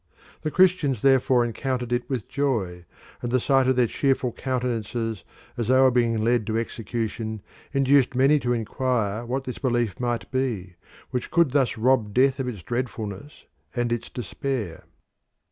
The Christians therefore encountered it with joy, and the sight of their cheerful countenances as they were being led to execution induced many to inquire what this belief might be which could thus rob death of its dreadfulness and its despair.